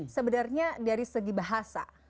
sebenarnya dari segi bahasa